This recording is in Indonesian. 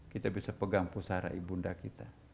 kita bisa pegang pusara ibunda kita